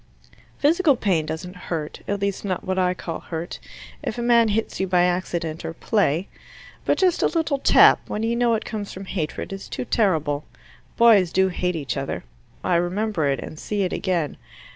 "Physical pain doesn't hurt at least not what I call hurt if a man hits you by accident or play. But just a little tap, when you know it comes from hatred, is too terrible. Boys do hate each other: I remember it, and see it again.